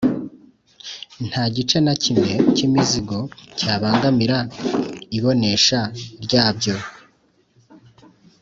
nta gice na kimwe cy'imizigo cyabangamira ibonesha ryabyo.